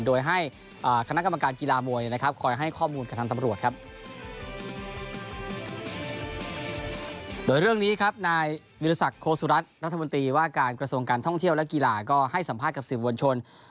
ก่อให้สัมภาษณ์กับศิษย์ววลชน